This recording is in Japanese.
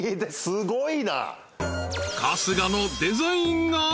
すごいな。